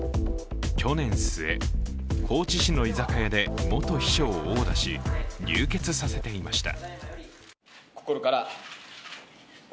去年末、高知市の居酒屋で元秘書を殴打し、流血させていました。